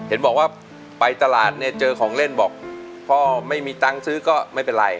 เห็นบอกว่าไปตลาดเนี่ยเจอของเล่นบอกพ่อไม่มีตังค์ซื้อก็ไม่เป็นไร